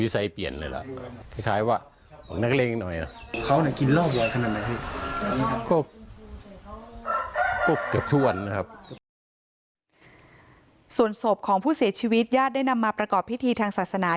ส่วนศพของผู้เสียชีวิตญาติได้นำมาประกอบพิธีทางศาสนา